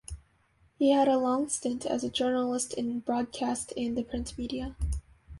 He had a long stint as a journalist in broadcast and the print media.